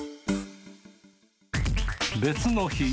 別の日。